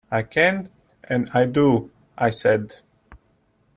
"I can, and I do," I said.